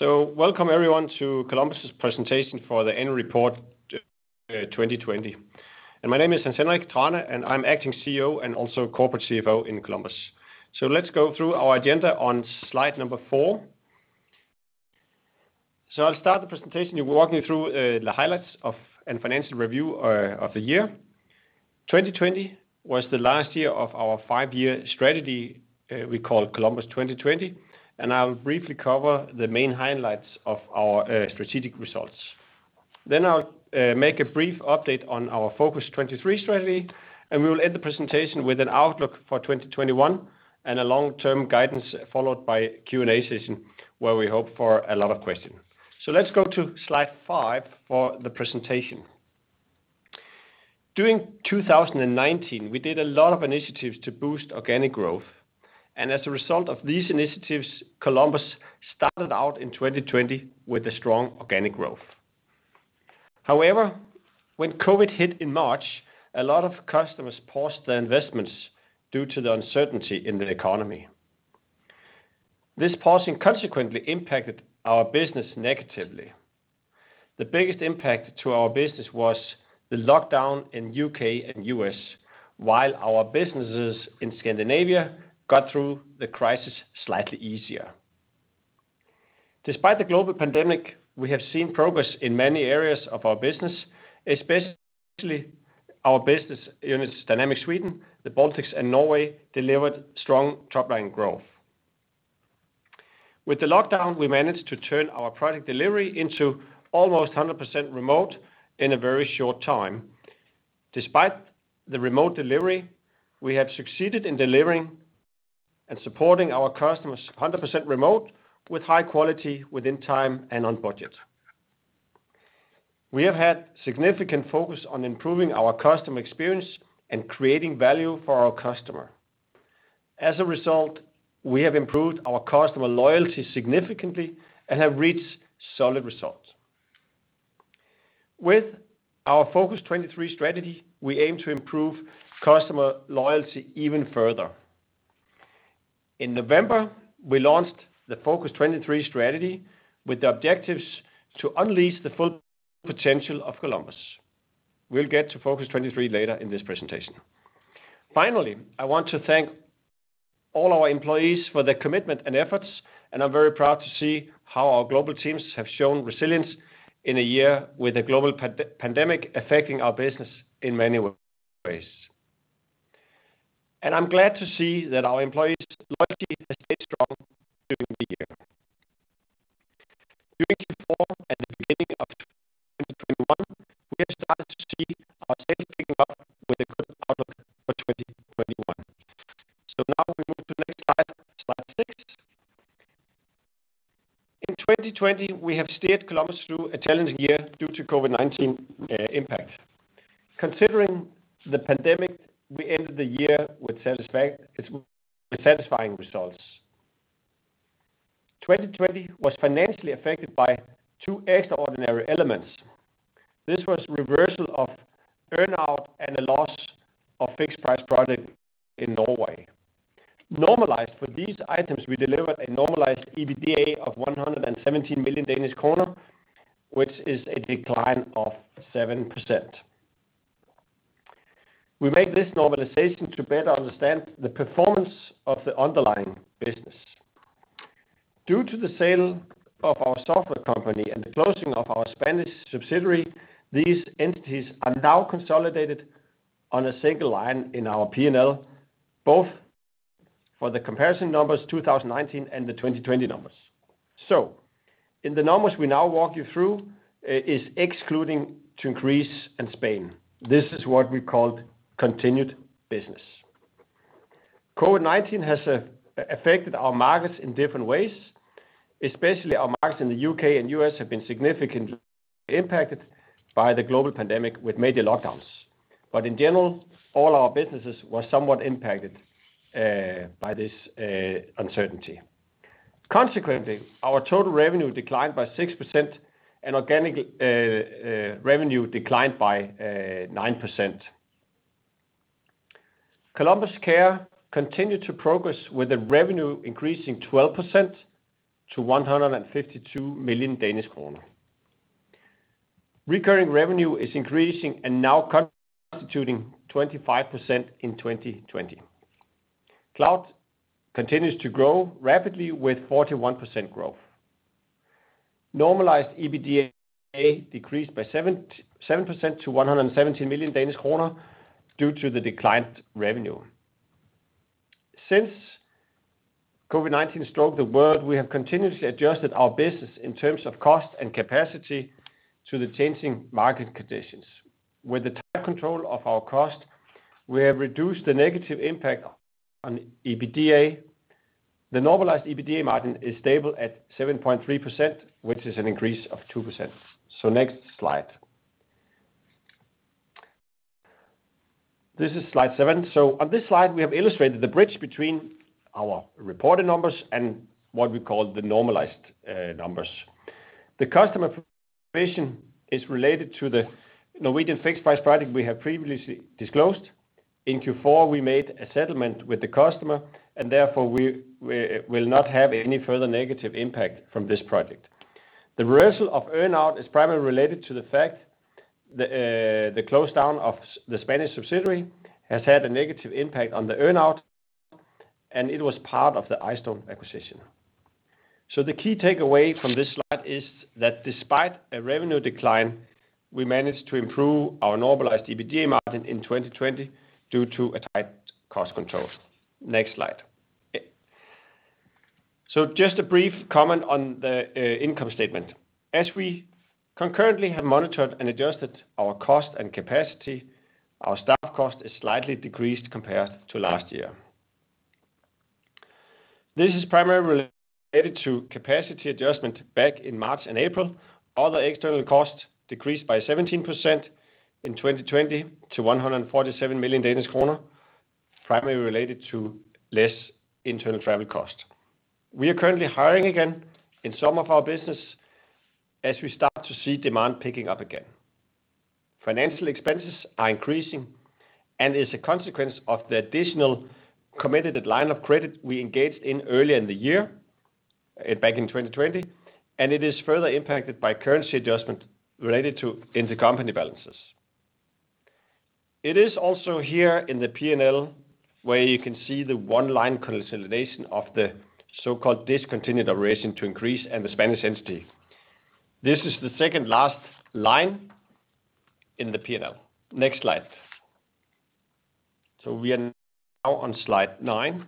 Welcome, everyone, to Columbus' presentation for the annual report 2020. My name is Hans Henrik Thrane, and I'm Acting CEO and also Corporate CFO in Columbus. Let's go through our agenda on slide number four. I'll start the presentation walking you through the highlights and financial review of the year. 2020 was the last year of our five-year strategy we call Columbus2020, I'll briefly cover the main highlights of our strategic results. I'll make a brief update on our Focus23 strategy, we will end the presentation with an outlook for 2021 and a long-term guidance, followed by a Q&A session where we hope for a lot of questions. Let's go to slide five for the presentation. During 2019, we did a lot of initiatives to boost organic growth, as a result of these initiatives, Columbus started out in 2020 with a strong organic growth. When COVID-19 hit in March, a lot of customers paused their investments due to the uncertainty in the economy. This pausing consequently impacted our business negatively. The biggest impact to our business was the lockdown in U.K. and U.S., while our businesses in Scandinavia got through the crisis slightly easier. Despite the global pandemic, we have seen progress in many areas of our business, especially our business units, Dynamics Sweden, the Baltics, and Norway delivered strong top-line growth. With the lockdown, we managed to turn our product delivery into almost 100% remote in a very short time. Despite the remote delivery, we have succeeded in delivering and supporting our customers 100% remote with high quality within time and on budget. We have had significant focus on improving our customer experience and creating value for our customer. As a result, we have improved our customer loyalty significantly and have reached solid results. With our Focus23 strategy, we aim to improve customer loyalty even further. In November, we launched the Focus23 strategy with the objectives to unleash the full potential of Columbus. We'll get to Focus23 later in this presentation. I want to thank all our employees for their commitment and efforts, and I'm very proud to see how our global teams have shown resilience in a year with a global pandemic affecting our business in many ways. I'm glad to see that our employees' loyalty has stayed strong during the year. During Q4 and the beginning of 2021, we have started to see our sales picking up with a good outlook for 2021. Now we move to the next slide six. In 2020, we have steered Columbus through a challenging year due to COVID-19 impact. Considering the pandemic, we ended the year with satisfying results. 2020 was financially affected by two extraordinary elements. This was reversal of earn-out and a loss of fixed-price project in Norway. Normalized for these items, we delivered a normalized EBITDA of 117 million Danish kroner, which is a decline of 7%. We make this normalization to better understand the performance of the underlying business. Due to the sale of our software company and the closing of our Spanish subsidiary, these entities are now consolidated on a single line in our P&L, both for the comparison numbers 2019 and the 2020 numbers. In the numbers we now walk you through, is excluding To-Increase and Spain. This is what we call continued business. COVID-19 has affected our markets in different ways. Especially our markets in the U.K. and U.S. have been significantly impacted by the global pandemic with major lockdowns. In general, all our businesses were somewhat impacted by this uncertainty. Consequently, our total revenue declined by 6% and organic revenue declined by 9%. Columbus Care continued to progress with the revenue increasing 12% to 152 million Danish kroner. Recurring revenue is increasing and now constituting 25% in 2020. Cloud continues to grow rapidly with 41% growth. Normalized EBITDA decreased by 7% to 117 million Danish kroner due to the declined revenue. Since COVID-19 struck the world, we have continuously adjusted our business in terms of cost and capacity to the changing market conditions. With the tight control of our cost, we have reduced the negative impact on EBITDA. The normalized EBITDA margin is stable at 7.3%, which is an increase of 2%. Next slide. This is slide seven. On this slide, we have illustrated the bridge between our reported numbers and what we call the normalized numbers. The customer provision is related to the Norwegian fixed price project we have previously disclosed. In Q4, we made a settlement with the customer. Therefore, we will not have any further negative impact from this project. The reversal of earn out is primarily related to the fact the close down of the Spanish subsidiary has had a negative impact on the earn out. It was part of the iStone acquisition. The key takeaway from this slide is that despite a revenue decline, we managed to improve our normalized EBITDA margin in 2020 due to tight cost controls. Next slide. Just a brief comment on the income statement. As we concurrently have monitored and adjusted our cost and capacity, our staff cost is slightly decreased compared to last year. This is primarily related to capacity adjustment back in March and April. Other external costs decreased by 17% in 2020 to 147 million Danish kroner, primarily related to less internal travel cost. We are currently hiring again in some of our business as we start to see demand picking up again. Financial expenses are increasing and is a consequence of the additional committed line of credit we engaged in earlier in the year, back in 2020, and it is further impacted by currency adjustment related to intercompany balances. It is also here in the P&L where you can see the one-line consolidation of the so-called discontinued operation To-Increase and the Spanish entity. This is the second last line in the P&L. Next slide. We are now on slide nine.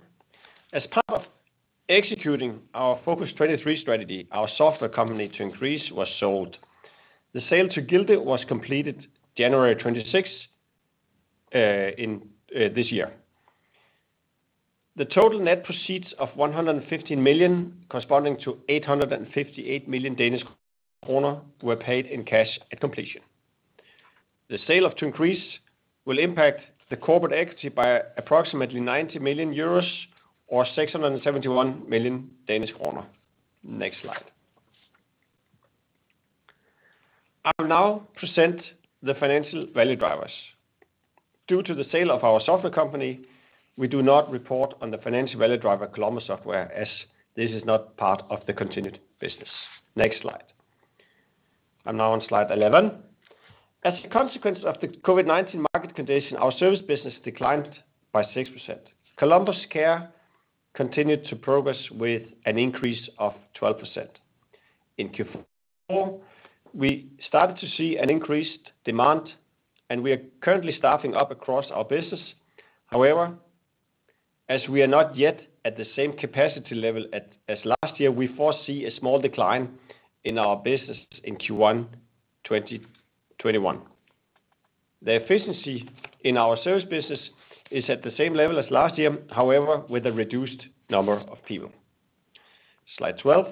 As part of executing our Focus23 strategy, our software company, To-Increase, was sold. The sale to Gilde was completed January 26 this year. The total net proceeds of 115 million, corresponding to 858 million Danish kroner, were paid in cash at completion. The sale of To-Increase will impact the corporate equity by approximately 90 million euros or 671 million Danish kroner. Next slide. I will now present the financial value drivers. Due to the sale of our software company, we do not report on the financial value driver Columbus Software, as this is not part of the continued business. Next slide. I'm now on slide 11. As a consequence of the COVID-19 market condition, our service business declined by 6%. Columbus Care continued to progress with an increase of 12% in Q4. We started to see an increased demand, we are currently staffing up across our business. However, as we are not yet at the same capacity level as last year, we foresee a small decline in our business in Q1 2021. The efficiency in our service business is at the same level as last year, however, with a reduced number of people. Slide 12.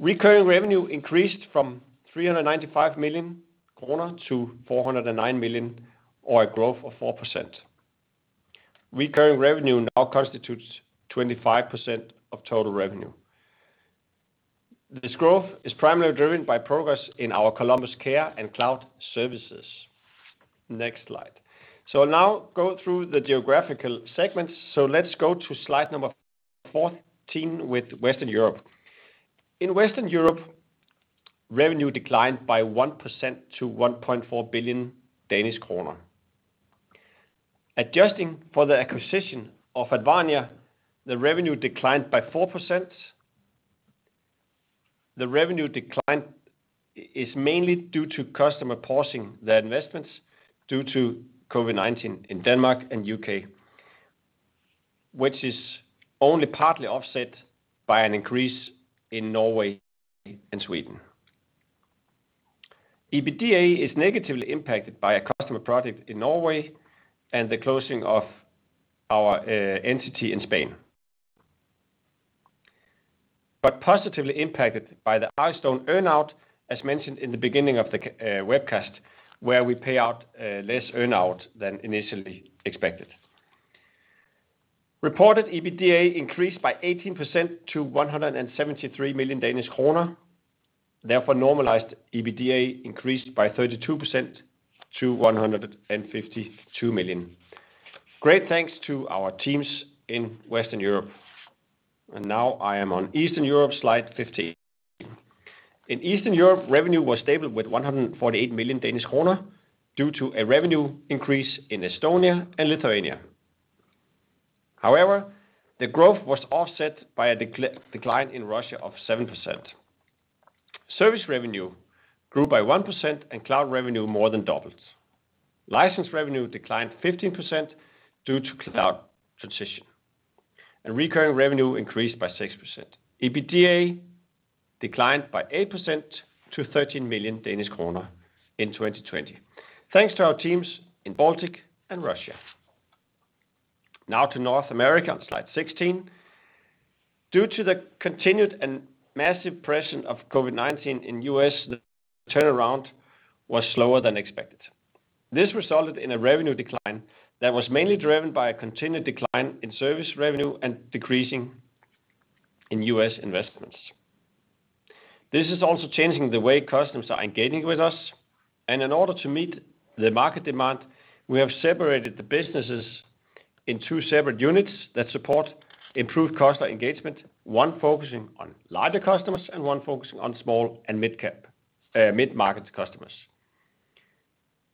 Recurring revenue increased from 395 million-409 million kroner, or a growth of 4%. Recurring revenue now constitutes 25% of total revenue. This growth is primarily driven by progress in our Columbus Care and cloud services. Next slide. I'll now go through the geographical segments. Let's go to slide number 14 with Western Europe. In Western Europe, revenue declined by 1% to 1.4 billion Danish kroner. Adjusting for the acquisition of Advania, the revenue declined by 4%. The revenue decline is mainly due to customer pausing their investments due to COVID-19 in Denmark and U.K., which is only partly offset by an increase in Norway and Sweden. EBITDA is negatively impacted by a customer project in Norway and the closing of our entity in Spain. Positively impacted by the iStone earn out, as mentioned in the beginning of the webcast, where we pay out less earn out than initially expected. Reported EBITDA increased by 18% to 173 million Danish kroner. Therefore, normalized EBITDA increased by 32% to 152 million. Great thanks to our teams in Western Europe. Now I am on Eastern Europe, slide 15. In Eastern Europe, revenue was stable with 148 million Danish kroner due to a revenue increase in Estonia and Lithuania. However, the growth was offset by a decline in Russia of 7%. Service revenue grew by 1% and cloud revenue more than doubled. License revenue declined 15% due to cloud transition, and recurring revenue increased by 6%. EBITDA declined by 8% to 13 million Danish kroner in 2020. Thanks to our teams in Baltic and Russia. Now to North America on slide 16. Due to the continued and massive presence of COVID-19 in U.S., the turnaround was slower than expected. This resulted in a revenue decline that was mainly driven by a continued decline in service revenue and decreasing in U.S. investments. This is also changing the way customers are engaging with us, and in order to meet the market demand, we have separated the businesses in two separate units that support improved customer engagement, one focusing on larger customers, and one focusing on small and mid-market customers.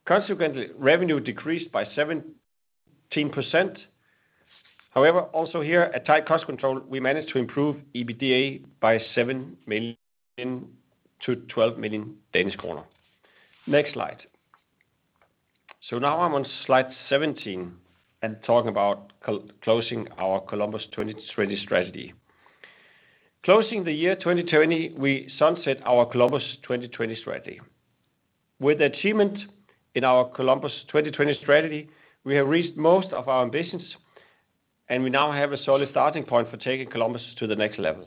Consequently, revenue decreased by 17%. However, also here, a tight cost control, we managed to improve EBITDA by 7 million-12 million Danish kroner. Next slide. Now I'm on slide 17 and talking about closing our Columbus2020 strategy. Closing the year 2020, we sunset our Columbus2020 strategy. With the achievement in our Columbus2020 strategy, we have reached most of our ambitions, and we now have a solid starting point for taking Columbus to the next level.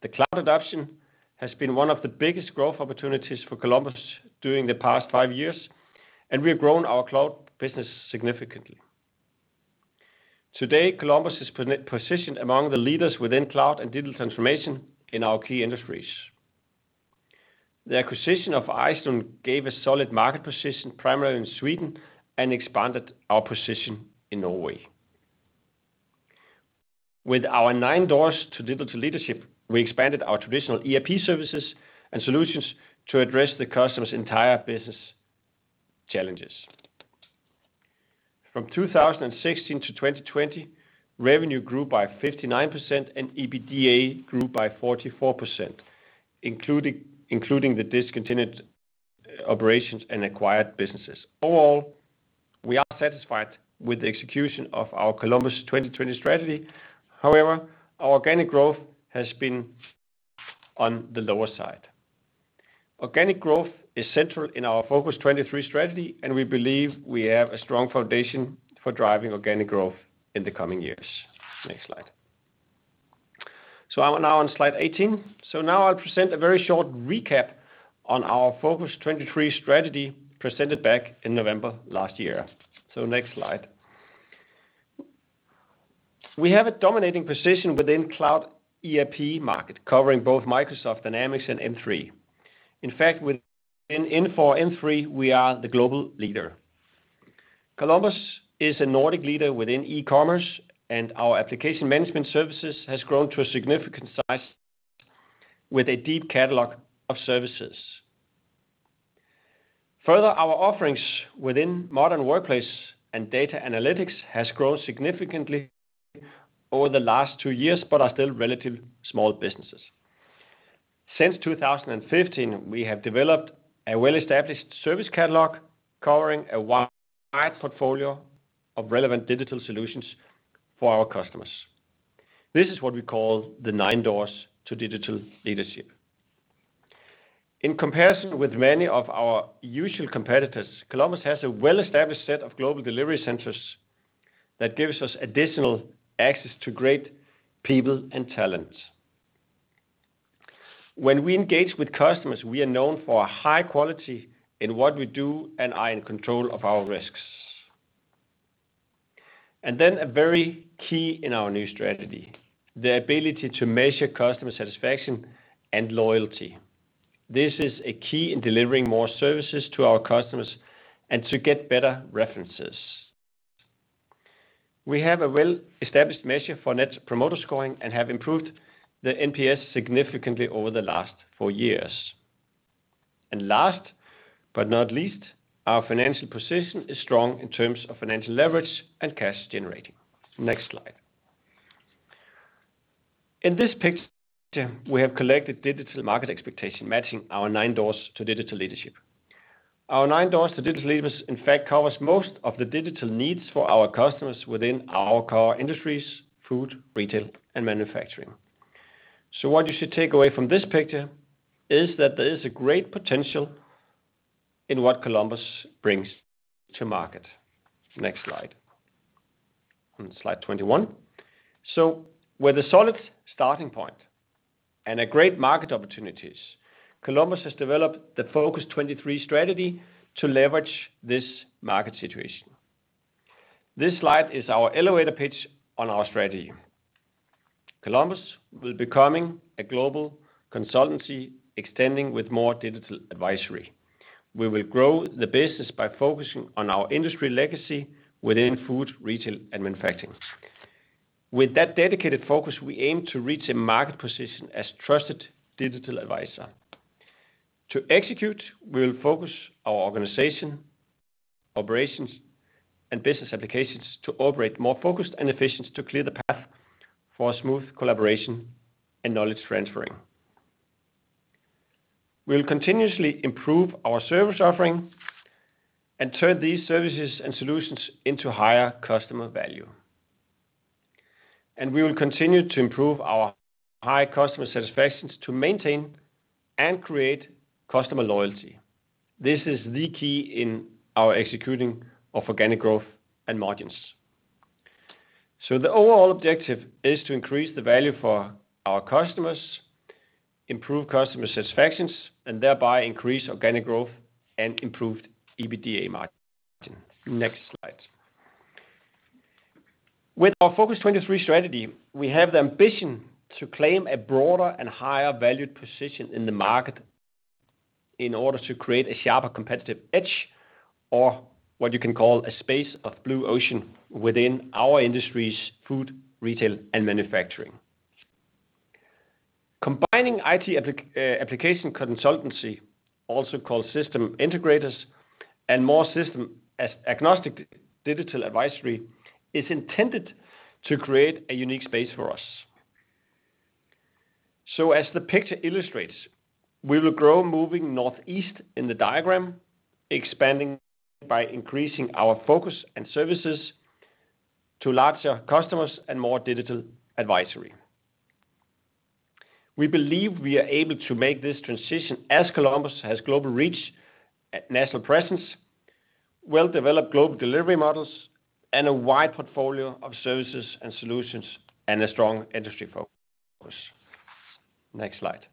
The cloud adoption has been one of the biggest growth opportunities for Columbus during the past five years, and we have grown our cloud business significantly. Today, Columbus is positioned among the leaders within cloud and digital transformation in our key industries. The acquisition of iStone gave a solid market position, primarily in Sweden, and expanded our position in Norway. With our 9 Doors to Digital Leadership, we expanded our traditional ERP services and solutions to address the customer's entire business challenges. From 2016-2020, revenue grew by 59% and EBITDA grew by 44%, including the discontinued operations and acquired businesses. Overall, we are satisfied with the execution of our Columbus2020 strategy. However, our organic growth has been on the lower side. Organic growth is central in our Focus23 strategy, and we believe we have a strong foundation for driving organic growth in the coming years. Next slide. I'm now on slide 18. Now I'll present a very short recap on our Focus23 strategy presented back in November last year. Next slide. We have a dominating position within cloud ERP market, covering both Microsoft Dynamics and M3. In fact, within Infor M3, we are the global leader. Columbus is a Nordic leader within e-commerce, and our application management services has grown to a significant size with a deep catalog of services. Further, our offerings within modern workplace and data analytics has grown significantly over the last two years, but are still relatively small businesses. Since 2015, we have developed a well-established service catalog covering a wide portfolio of relevant digital solutions for our customers. This is what we call the 9 Doors to Digital Leadership. In comparison with many of our usual competitors, Columbus has a well-established set of global delivery centers that gives us additional access to great people and talent. When we engage with customers, we are known for high quality in what we do and are in control of our risks. Then a very key in our new strategy, the ability to measure customer satisfaction and loyalty. This is a key in delivering more services to our customers and to get better references. We have a well-established measure for Net Promoter Score and have improved the NPS significantly over the last four years. Last but not least, our financial position is strong in terms of financial leverage and cash generating. Next slide. In this picture, we have collected digital market expectation matching our 9 Doors to Digital Leadership. Our 9 Doors to Digital Leadership, in fact, covers most of the digital needs for our customers within our core industries, food, retail, and manufacturing. What you should take away from this picture is that there is a great potential in what Columbus brings to market. Next slide. On slide 21. With a solid starting point and a great market opportunities, Columbus has developed the Focus23 strategy to leverage this market situation. This slide is our elevator pitch on our strategy. Columbus will become a global consultancy, extending with more digital advisory. We will grow the business by focusing on our industry legacy within food, retail, and manufacturing. With that dedicated focus, we aim to reach a market position as trusted digital advisor. To execute, we will focus our organization, operations, and business applications to operate more focused and efficient to clear the path for a smooth collaboration and knowledge transferring. We'll continuously improve our service offering and turn these services and solutions into higher customer value. We will continue to improve our high customer satisfaction to maintain and create customer loyalty. This is the key in our execution of organic growth and margins. The overall objective is to increase the value for our customers, improve customer satisfaction, and thereby increase organic growth and improve EBITDA margin. Next slide. With our Focus23 strategy, we have the ambition to claim a broader and higher valued position in the market in order to create a sharper competitive edge, or what you can call a space of blue ocean within our industry's food, retail, and manufacturing. Combining IT application consultancy, also called system integrators, and more system agnostic digital advisory is intended to create a unique space for us. As the picture illustrates, we will grow moving northeast in the diagram, expanding by increasing our focus and services to larger customers and more digital advisory. We believe we are able to make this transition as Columbus has global reach at national presence, well-developed global delivery models, and a wide portfolio of services and solutions, and a strong industry focus. Next slide.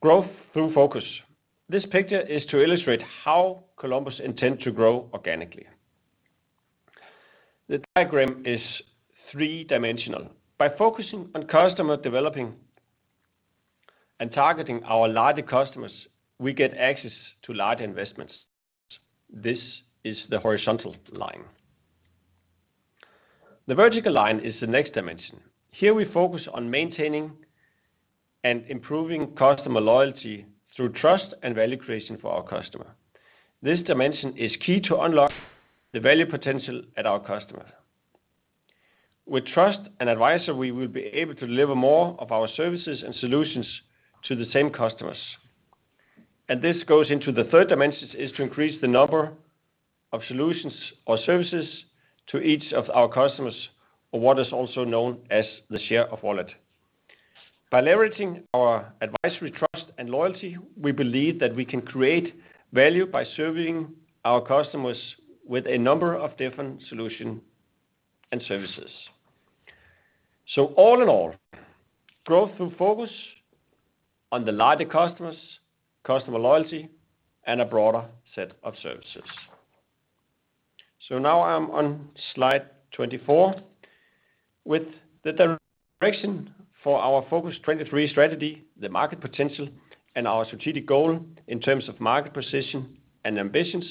Growth through focus. This picture is to illustrate how Columbus intend to grow organically. The diagram is three-dimensional. By focusing on customer developing and targeting our larger customers, we get access to larger investments. This is the horizontal line. The vertical line is the next dimension. Here we focus on maintaining and improving customer loyalty through trust and value creation for our customer. This dimension is key to unlock the value potential at our customer. With trust and advisory, we will be able to deliver more of our services and solutions to the same customers. This goes into the third dimension, is to increase the number of solutions or services to each of our customers or what is also known as the share-of-wallet. By leveraging our advisory trust and loyalty, we believe that we can create value by serving our customers with a number of different solution and services. All in all, growth through focus on the larger customers, customer loyalty, and a broader set of services. Now I'm on slide 24. With the direction for our Focus23 strategy, the market potential, and our strategic goal in terms of market position and ambitions,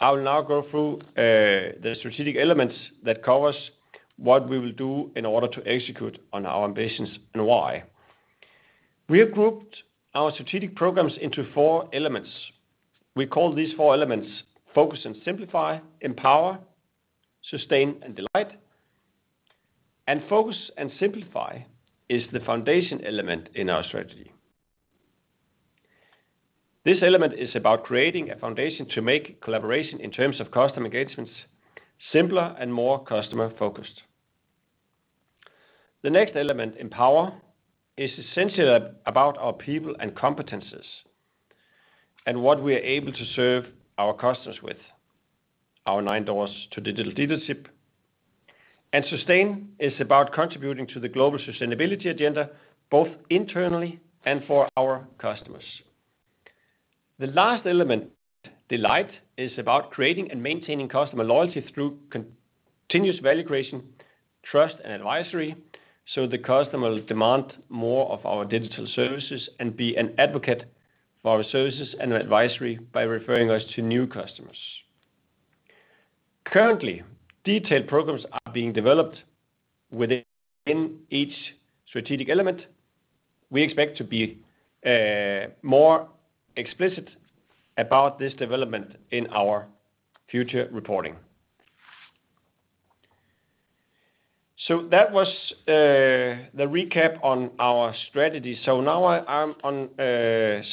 I will now go through the strategic elements that covers what we will do in order to execute on our ambitions and why. We have grouped our strategic programs into four elements. We call these four elements focus and simplify, empower, sustain, and delight. Focus and simplify is the foundation element in our strategy. This element is about creating a foundation to make collaboration in terms of customer engagements simpler and more customer-focused. The next element, empower, is essentially about our people and competencies and what we are able to serve our customers with, our 9 Doors to Digital Leadership. Sustain is about contributing to the global sustainability agenda, both internally and for our customers. The last element, delight, is about creating and maintaining customer loyalty through continuous value creation, trust, and advisory, so the customer will demand more of our digital services and be an advocate for our services and our advisory by referring us to new customers. Currently, detailed programs are being developed within each strategic element. We expect to be more explicit about this development in our future reporting. That was the recap on our strategy. Now I'm on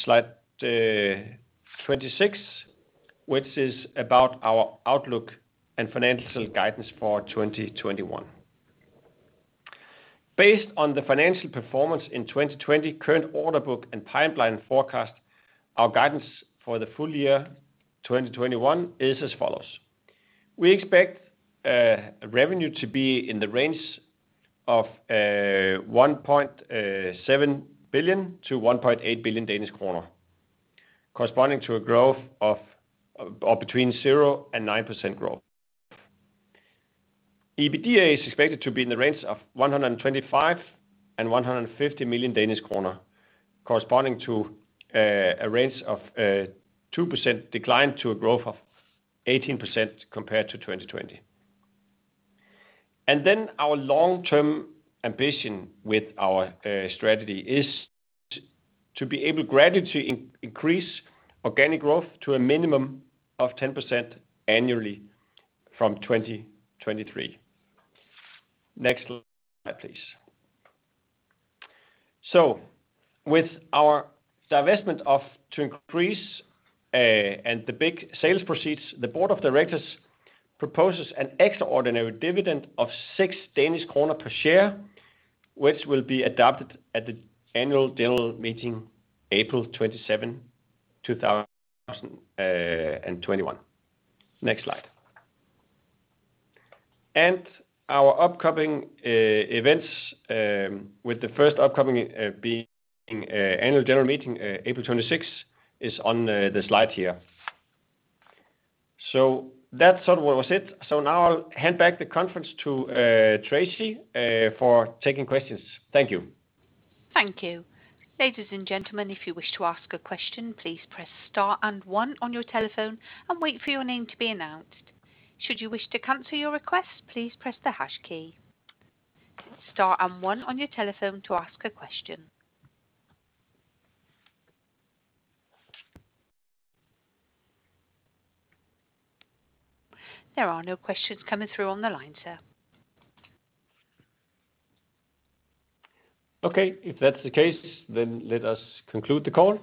slide 26, which is about our outlook and financial guidance for 2021. Based on the financial performance in 2020, current order book, and pipeline forecast, our guidance for the full year 2021 is as follows. We expect revenue to be in the range of 1.7 billion-1.8 billion Danish kroner, corresponding to a growth of between 0% and 9% growth. EBITDA is expected to be in the range of 125 million and 150 million Danish kroner, corresponding to a range of 2% decline to 18% growth compared to 2020. Our long-term ambition with our strategy is to be able gradually increase organic growth to a minimum of 10% annually from 2023. Next slide, please. With our divestment of To-Increase, and the big sales proceeds, the board of directors proposes an extraordinary dividend of 6 Danish kroner per share, which will be adopted at the annual general meeting April 27, 2021. Next slide. Our upcoming events, with the first upcoming being annual general meeting, April 26, is on the slide here. That sort of was it. Now I'll hand back the conference to Tracy for taking questions. Thank you. Thank you. Ladies and gentlemen, if you wish to ask a question, please press star and one on your telephone and wait for your name to be announced. Should you wish to cancel your request, please press the hash key. Star and one on your telephone to ask a question. There are no questions coming through on the line, sir. Okay. If that's the case, let us conclude the call.